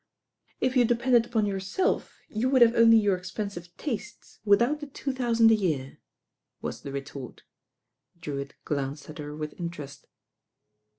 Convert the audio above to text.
"If you depended upon yourself, you would have only your expensive tastes without the two thousand a year," was the retort. Drewitt glanced at her with interest.